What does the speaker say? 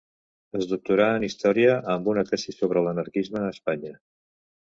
Es doctorà en Història amb una tesi sobre l'anarquisme a Espanya.